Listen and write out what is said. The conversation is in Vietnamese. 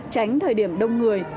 tránh thời điểm đông người